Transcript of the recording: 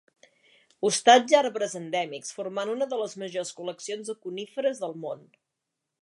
Hostatja arbres endèmics formant una de les majors col·leccions de coníferes del món.